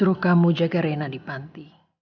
dia mau landing